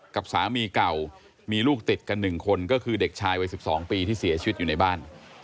กับสามีเก่ามีลูกติดกัน๑คนก็คือเด็กชายวัย๑๒ปีที่เสียชีวิตอยู่ในบ้าน